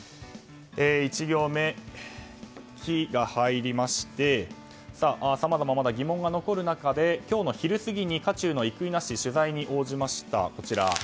１行目、「キ」が入りましてさまざままだ疑問が残る中今日の昼すぎ渦中の生稲氏が取材に応じました。